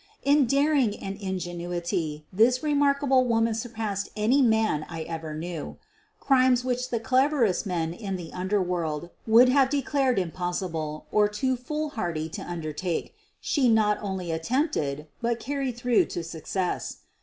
In daring and ingenuity this remarkable woman surpassed any man I ever knew. Crimes which the cleverest men in the underworld would have declared impossible or too foolhardy to undertake she not only attempted, but carried through to success.